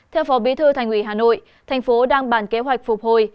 theo phó bí thư thành ủy hà nội thành phố đang bàn kế hoạch phục hồi